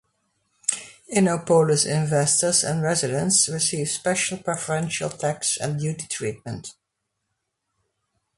Innopolis investors and residents receive special preferential tax and duty treatment.